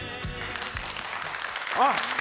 あっ！